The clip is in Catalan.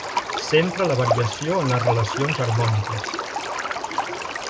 Centra la variació en les relacions harmòniques.